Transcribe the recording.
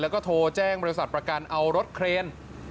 แล้วก็โทรแจ้งบริษัทประกันเอารถเครน